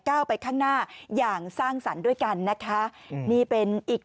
ก้าวไปข้างหน้าอย่างสร้างสรรค์ด้วยกันนะคะนี่เป็นอีก